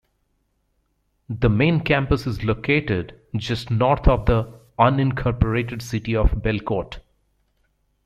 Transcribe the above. The main campus is located just north of the unincorporated city of Belcourt.